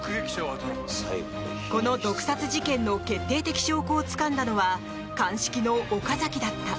この毒殺事件の決定的証拠をつかんだのは鑑識の岡崎だった。